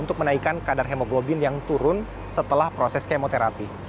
untuk menaikkan kadar hemoglobin yang turun setelah proses kemoterapi